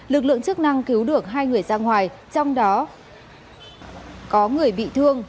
lực lượng chức năng cứu được hai người ra ngoài trong đó có người bị thương